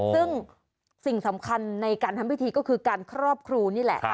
ซึ่งสิ่งสำคัญในการทำพิธีก็คือการครอบครูนี่แหละ